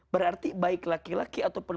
berarti baik laki laki ataupun